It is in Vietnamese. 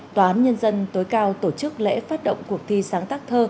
tòa án nhân dân tối cao tổ chức lễ phát động cuộc thi sáng tác thơ